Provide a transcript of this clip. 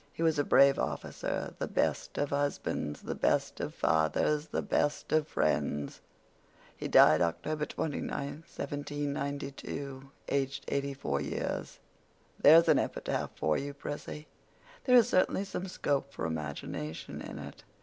He was a brave officer, the best of husbands, the best of fathers, the best of friends. He died October 29th, 1792, aged 84 years.' There's an epitaph for you, Prissy. There is certainly some 'scope for imagination' in it.